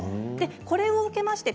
これを受けまして